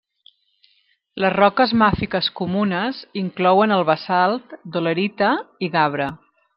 Les roques màfiques comunes inclouen el basalt, dolerita i gabre.